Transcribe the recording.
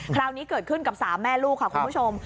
คราวนี้เกิดขึ้นกับ๓แม่ลูกค่ะคุณผู้ชม